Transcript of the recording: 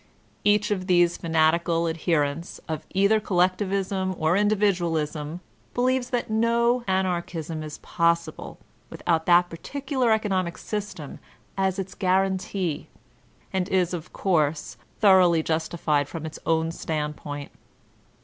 Each of these fanatical adherents of either collectivism or individualism believes that no Anarchism is possible without that par ticular economic system as its guarantee, and is of course thoroughly justified from his own standpoint.